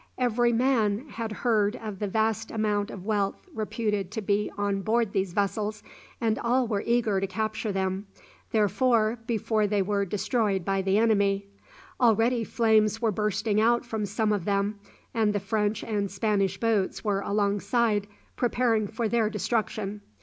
Every man had heard of the vast amount of wealth reputed to be on board these vessels, and all were eager to capture them, therefore, before they were destroyed by the enemy. Already flames were bursting out from some of them, and the French and Spanish boats were alongside, preparing for their destruction.